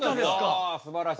うわすばらしい。